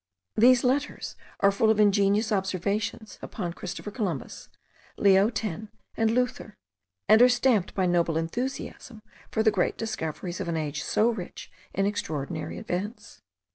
These letters are full of ingenious observations upon Christopher Columbus, Leo X, and Luther, and are stamped by noble enthusiasm for the great discoveries of an age so rich in extraordinary events.